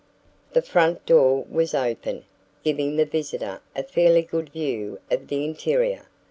The front door was open, giving the visitor a fairly good view of the interior.